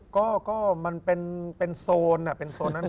ก็มันเป็นโซนเป็นโซนนั้น